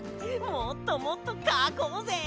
もっともっとかこうぜ！